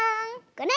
これ！